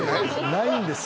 ないんですよ。